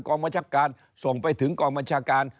บัญชาการส่งไปถึงกองบัญชาการ